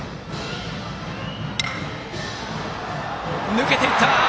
抜けていった！